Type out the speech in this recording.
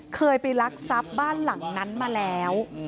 เคยไปลักทรัพย์บ้านหลังนั้นมาแล้ว